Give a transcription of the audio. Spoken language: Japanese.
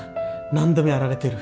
何度もやられてる。